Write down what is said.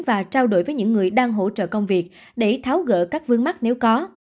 và trao đổi với những người đang hỗ trợ công việc để tháo gỡ các vướng mắt nếu có